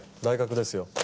大学ですよ。